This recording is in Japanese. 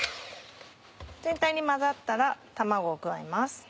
全体に混ざったら卵を加えます。